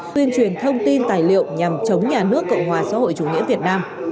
tuyên truyền thông tin tài liệu nhằm chống nhà nước cộng hòa xã hội chủ nghĩa việt nam